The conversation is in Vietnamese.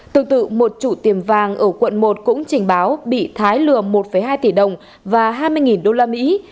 tương tự một chủ tiệm vàng ở quận một cũng trình báo bị thái lừa một hai tỷ đồng và hai mươi đô la mỹ